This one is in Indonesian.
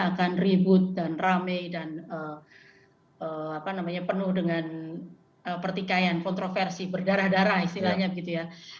akan ribut dan rame dan penuh dengan pertikaian kontroversi berdarah darah istilahnya gitu ya